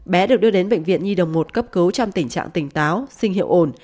bé được đưa đến bệnh viện nhi đồng một cấp cứu trong tình trạng tỉnh táo sinh hiệu ổn